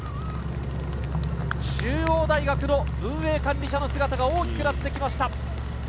中央大学の運営管理車の姿が大きくなってきました。